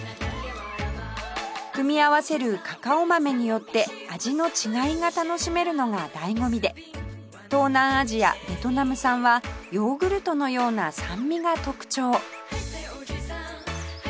組み合わせるカカオ豆によって味の違いが楽しめるのが醍醐味で東南アジアベトナム産はヨーグルトのような酸味が特徴